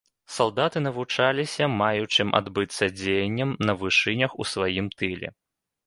Салдаты навучаліся маючым адбыцца дзеянням на вышынях у сваім тыле.